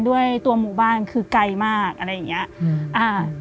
ด้วยตัวหมู่บ้านคือไกลมากอะไรอย่างนี้